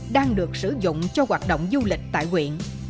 đang được sử dụng cho hoạt động du lịch tại quyện